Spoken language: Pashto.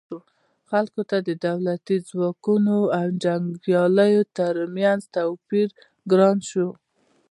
خلکو ته د دولتي ځواکونو او جنګیالیو ترمنځ توپیر ګران شو.